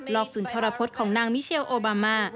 อกสุนทรพฤษของนางมิเชลโอบามา